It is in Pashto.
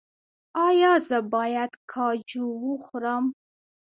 ایا زه باید کاجو وخورم؟